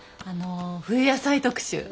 あの冬野菜特集。